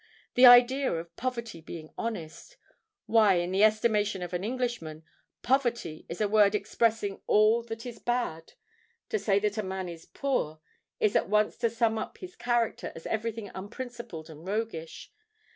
The idea of poverty being honest! Why—in the estimation of an Englishman, poverty is a word expressing all that is bad. To say that a man is poor, is at once to sum up his character as every thing unprincipled and roguish.